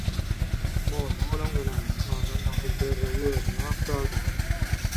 Mоlla bоlaňda nämе, adam pahyr dеrrеw özüni aklar-da: